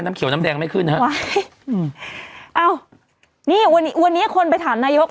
เขียวน้ำแดงไม่ขึ้นฮะว้ายอืมอ้าวนี่วันนี้วันนี้คนไปถามนายก